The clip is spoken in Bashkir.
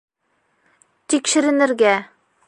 Тикшеренергә.